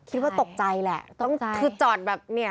คิดว่าตกใจแหละต้องคือจอดแบบเนี่ย